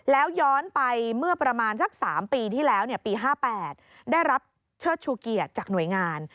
แล้วย้อนไปเมื่อประมาณสัก๓ปีที่แล้วปี๕๘ได้รับเชิดชูเกียรติจากหน่วยงาน